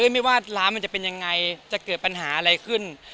ไม่ว่าร้านมันจะเป็นยังไงจะเกิดปัญหาอะไรขึ้น